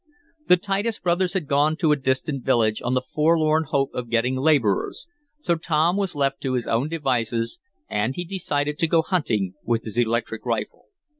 The Titus brothers had gone to a distant village, on the forlorn hope of getting laborers, so Tom was left to his own devices, and he decided to go hunting with his electric rifle.